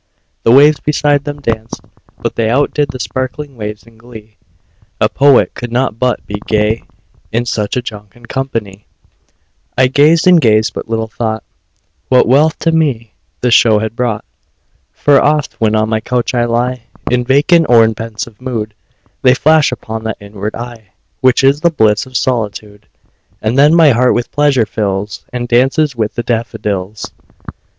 The waves beside them danced; but they Outdid the sparkling waves in glee; A poet could not but be gay, In such a jocund company; I gazed and gazed but little thought What wealth to me the show had brought: For oft, when on my couch I lie In vacant or in pensive mood, They flash upon that inward eye Which is the bliss of solitude; And then my heart with pleasure fills, And dances with the daffodils.